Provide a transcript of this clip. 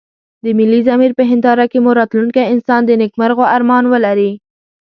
د ملي ضمير په هنداره کې مو راتلونکی انسان د نيکمرغيو ارمان ولري.